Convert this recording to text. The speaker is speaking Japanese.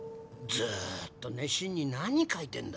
ずっと熱心に何描いてんだ？